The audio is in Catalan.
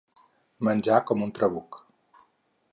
Menjar com un trabuc.